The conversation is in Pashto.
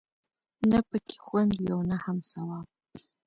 نه پکې خوند وي او نه هم ثواب.